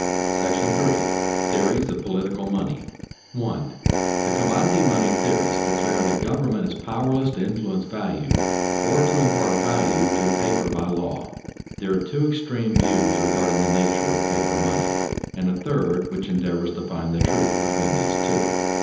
§ III. THEORIES OF POLITICAL MONEY [Sidenote: Commodity money theory] 1. _The commodity money theorists declare that government is powerless to influence value, or to impart value to paper by law._ There are two extreme views regarding the nature of paper money, and a third which endeavors to find the truth between these two.